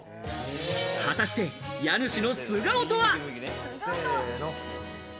果たして家主の素顔とは？